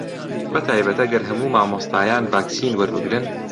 بەتایبەت ئەگەر هەموو مامۆستایان ڤاکسین وەربگرن